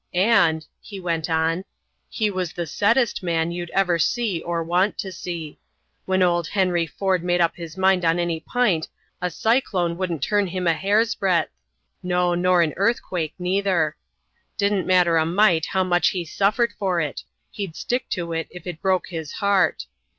"And," he went on, "he was about the settest man you'd ever see or want to see. When old Henry Ford made up his mind on any p'int a cyclone wouldn't turn him a hairsbreadth no, nor an earthquake neither. Didn't matter a mite how much he suffered for it he'd stick to it if it broke his heart.